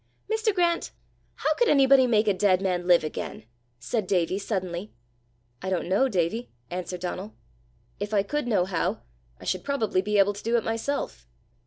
"Mr. Grant, how could anybody make a dead man live again?" said Davie suddenly. "I don't know, Davie," answered Donal. "If I could know how, I should probably be able to do it myself."